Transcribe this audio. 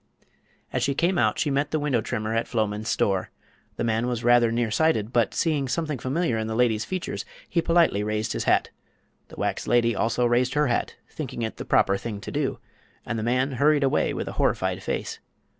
As she came out she met the window trimmer at Floman's store. The man was rather near sighted, but seeing something familiar in the lady's features he politely raised his hat. The wax lady also raised her hat, thinking it the proper thing to do, and the man hurried away with a horrified face.